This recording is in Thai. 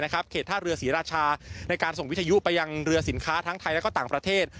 เขตท่าเรือศรีราชาในการส่งวิทยุไปยังเรือสินค้าทั้งไทยและก็ต่างประเทศ